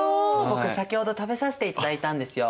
僕先ほど食べさせていただいたんですよ。